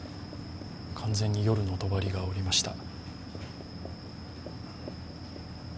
完全に夜の帳がおりました。